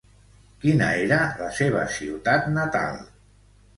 Quina era la seva ciutat natal?